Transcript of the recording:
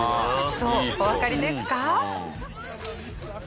そうおわかりですか？